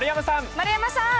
丸山さん。